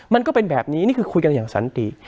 มันก็เป็นแบบนี้นี่คือคุยกันอย่างสันติ